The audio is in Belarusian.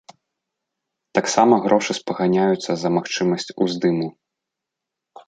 Таксама грошы спаганяюцца за магчымасць уздыму.